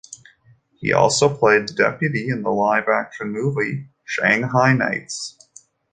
He also played the deputy in the live-action movie "Shanghai Knights".